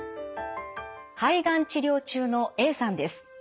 肺がん治療中のＡさんです。